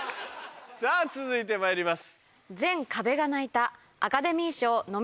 さぁ続いてまいります。